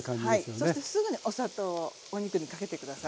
そしてすぐねお砂糖をお肉にかけて下さい。